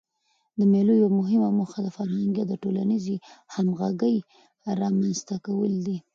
د مېلو یوه مهمه موخه د فرهنګي او ټولنیزي همږغۍ رامنځ ته کول دي.